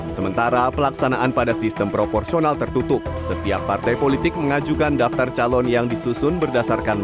sementara pelaksanaan pada sistem proporsional tertutup setiap partai politik mengajukan daftar calon yang disusun berdasarkan